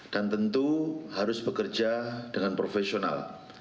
dan tentu harus bekerja dengan profesional